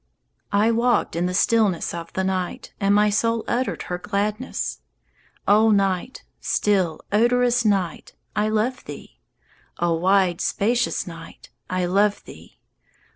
I walked in the stillness of the night, And my soul uttered her gladness. O Night, still, odorous Night, I love thee! O wide, spacious Night, I love thee!